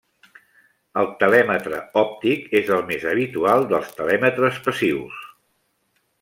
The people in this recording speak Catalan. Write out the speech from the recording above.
El telèmetre òptic és el més habitual dels telèmetres passius.